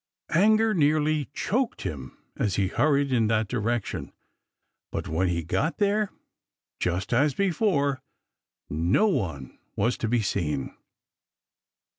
Anger nearly choked him as he hurried in that direction. But when he got there, just as before no one was to be seen.